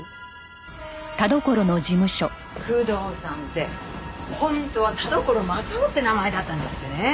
久遠さんって本当は田所柾雄って名前だったんですってね。